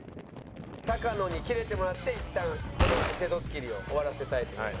高野にキレてもらっていったんこの偽ドッキリを終わらせたいと思います。